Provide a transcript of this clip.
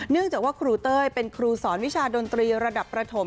เนื่องจากว่าครูเต้ยเป็นครูสอนวิชาดนตรีระดับประถม